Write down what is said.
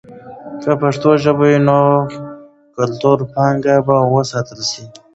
که پښتو ژبه وي، نو کلتوري پانګه به وساتل سي.